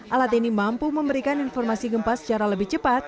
alat ini mampu memberikan informasi gempa secara lebih cepat